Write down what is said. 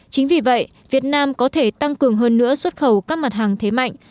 chính vì vậy việt nam có thể tăng cường hơn nữa xuất khẩu các mặt hàng thế mạnh